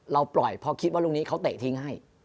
เราปล่อยเพราะคิดว่าลูกนี้เขาเตะทิ้งให้